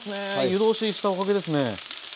湯通ししたおかげですね。